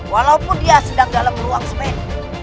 walaupun dia sedang dalam ruang spend